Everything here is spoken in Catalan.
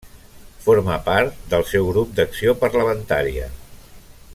Forma part del seu Grup d'Acció Parlamentària.